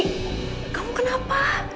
randy kamu kenapa